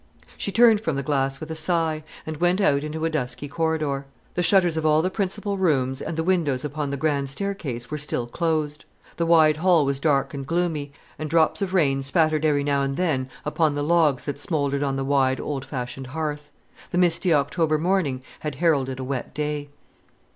She turned from the glass with a sigh, and went out into a dusky corridor. The shutters of all the principal rooms and the windows upon the grand staircase were still closed; the wide hall was dark and gloomy, and drops of rain spattered every now and then upon the logs that smouldered on the wide old fashioned hearth. The misty October morning had heralded a wet day.